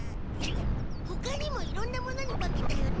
ほかにもいろんなものに化けたよね。